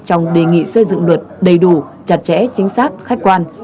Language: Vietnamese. trong đề nghị xây dựng luật đầy đủ chặt chẽ chính xác khách quan